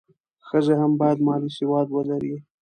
ښځې هم باید مالي سواد ولري.